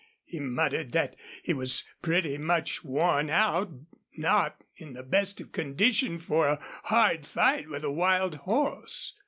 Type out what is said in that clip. He muttered that he was pretty much worn out, not in the best of condition for a hard fight with a wild horse.